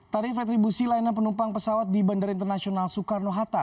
tarif retribusi layanan penumpang pesawat di bandara internasional soekarno hatta